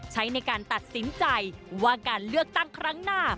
ใช้ในการตัดสินใจว่าการเลือกตั้งครั้งหน้า